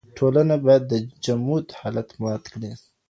ټولنه بايد د جمود حالت مات کړي.